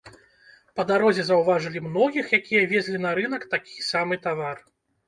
Па дарозе заўважылі многіх, якія везлі на рынак такі самы тавар.